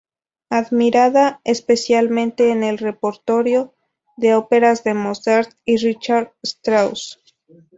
Admirada especialmente en el repertorio de óperas de Mozart y Richard Strauss.